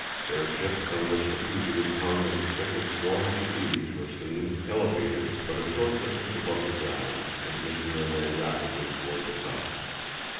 Airships on which the fugitives hung as thick as swarms of bees were seen, elevated but a short distance above the ground, and making their way rapidly toward the south.